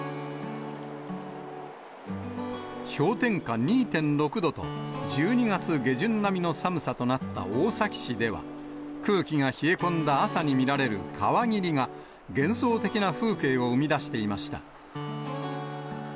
氷点下２．６度と、１２月下旬並みの寒さとなった大崎市では、空気が冷え込んだ朝に見られる川霧が、幻想的な風景を生み出していました。